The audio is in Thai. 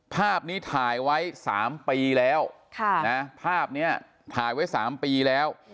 ภาพนี้ถ่ายไว้๓ปีแล้วภาพนี้ถ่ายไว้๓ปีแล้ว